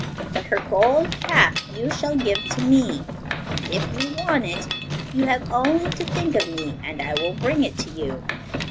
But her gold cap you shall give to me and, if you want it, you have only to think of me and I will bring it to you.